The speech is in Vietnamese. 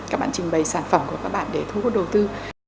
các bạn trình bày sản phẩm của các bạn để thu hút đầu tư